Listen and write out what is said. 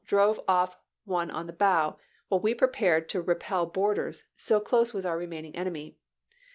drove off one on the bow, while we prepared to chap, xv repel boarders, so close was our remaining enemy.